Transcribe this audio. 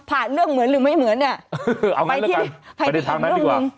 ผ่านเรื่องเหมือนหรือไม่เหมือนน่ะเอางั้นแล้วกันไปที่ไปที่ทางนั้นดีกว่า